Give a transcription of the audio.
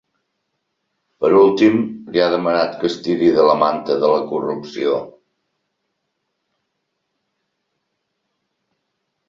Per últim, li ha demanat que ‘estiri de la manta’ de la corrupció.